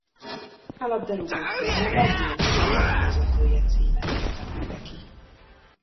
A labdarúgó torna legjobb játékvezetője címet érdemelte ki.